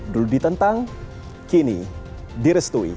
dulu ditentang kini direstui